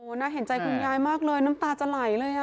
น่าเห็นใจคุณยายมากเลยน้ำตาจะไหลเลย